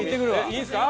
いいんですか？